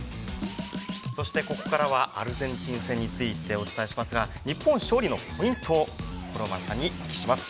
そして、ここからはアルゼンチン戦についてお伝えしますが日本勝利のポイントを五郎丸さんにお聞きします。